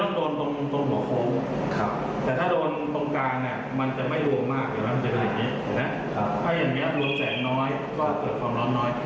ถ้าคงดวงแสงน้อยก็เกิดความร้อนน้อย